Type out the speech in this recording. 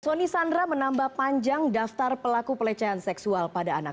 soni sandra menambah panjang daftar pelaku pelecehan seksual pada anak